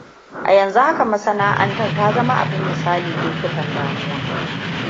A yanzu haka masana'antar ta zama abin misali lokutan damuwa.